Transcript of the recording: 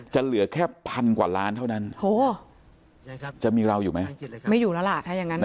เหลือแค่พันกว่าล้านเท่านั้นจะมีเราอยู่ไหมไม่อยู่แล้วล่ะถ้าอย่างนั้น